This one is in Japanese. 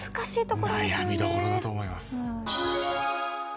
悩みどころだと思います。